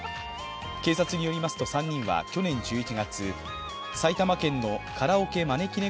警察によりますと３人は去年１１月、埼玉県のカラオケまねきね